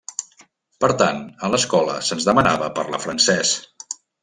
Per tant, a l'escola se'ns demanava parlar francès.